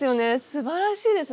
すばらしいですね。